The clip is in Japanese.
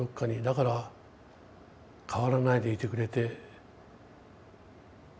だから変わらないでいてくれて。